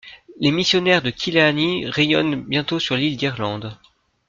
Les missionnaires de Killeany rayonnent bientôt sur l’île d’Irlande.